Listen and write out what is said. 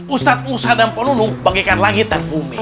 ustadz musa dan penunung bagikan langit dan bumi